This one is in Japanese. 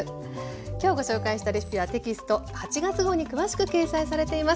きょうご紹介したレシピはテキスト８月号に詳しく掲載されています。